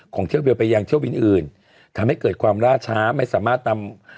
เที่ยวเดียวไปยังเที่ยวบินอื่นทำให้เกิดความล่าช้าไม่สามารถนำ